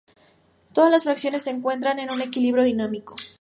Todas las fracciones se encuentran en un equilibrio dinámico.